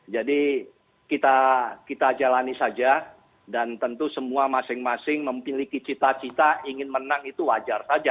jadi kita jalani saja dan tentu semua masing masing memiliki cita cita ingin menang itu wajar